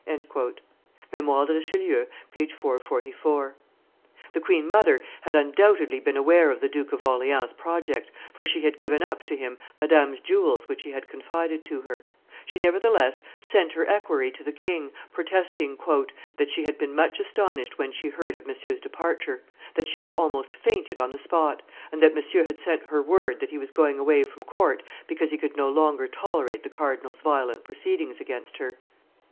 [Memoires de Richelieu, t. ii. p. 444.] The queen mother had undoubtedly been aware of the Duke of Orleans' project, for she had given up to him Madame's jewels which he had confided to her; she nevertheless sent her equerry to the king, protesting "that she had been much astonished when she heard of Monsieur's departure, that she had almost fainted on the spot, and that Monsieur had sent her word that he was going away from court because he could no longer tolerate the cardinal's violent proceedings against her.